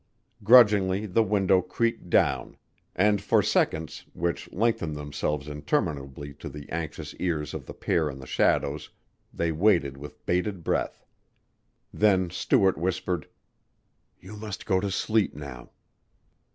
Grudgingly the window creaked down and for seconds which lengthened themselves interminably to the anxious ears of the pair in the shadows, they waited with bated breath. Then Stuart whispered, "You must go to sleep now."